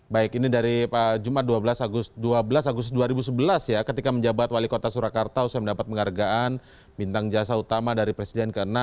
baik ini dari jumat dua belas agustus dua ribu sebelas ya ketika menjabat wali kota surakarta usia mendapat penghargaan bintang jasa utama dari presiden ke enam